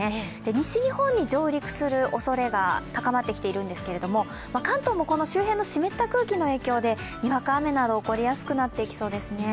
西日本に上陸するおそれが高まってきているんですけども、関東もこの周辺の湿った空気の影響でにわか雨など起こりやすくなっていきそうですね。